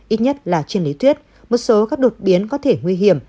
ít nhất là trên lý thuyết một số các đột biến có thể nguy hiểm